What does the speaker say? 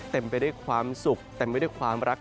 เต็มไปด้วยความสุขเต็มไปด้วยความรัก